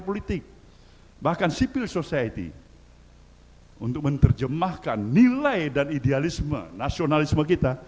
politik bahkan civil society untuk menerjemahkan nilai dan idealisme nasionalisme kita